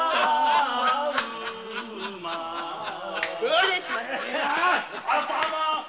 ・失礼します。